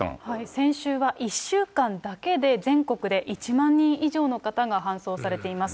先週は１週間だけで全国で１万人以上の方が搬送されています。